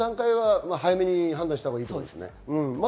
早めに判断したほうがいいですね。